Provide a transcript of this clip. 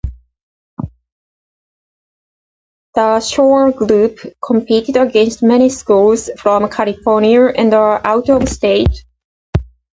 The choir group competed against many schools from California and out of state.